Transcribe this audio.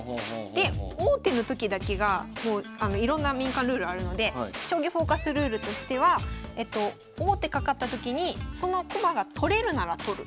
で王手のときだけがいろんな民間ルールあるので「将棋フォーカス」ルールとしては王手かかったときにその駒が取れるなら取る。